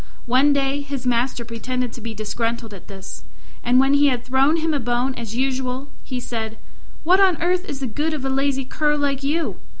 One day his master pretended to be disgusted at this, and when he had thrown him a bone as usual, he said, "What on earth is the good of a lazy cur like you?